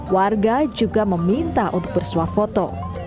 warga juga meminta untuk bersuah foto